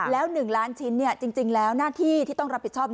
แล้ว๑ล้านชิ้นจริงแล้วหน้าที่ที่ต้องรับผิดชอบ